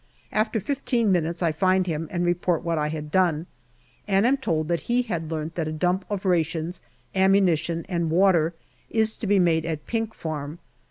After fifteen minutes I find him and report what I had done, and am told that he had learnt that a dump of rations, ammunition, and water is to be made at Pink Farm.